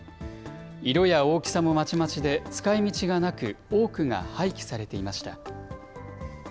色や大きさもまちまちで、使いみちがなく、多くが廃棄されていました。